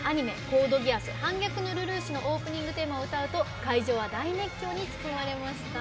「コードギアス反逆のルルーシュ」のオープニングテーマを歌うと会場は大熱狂に包まれました。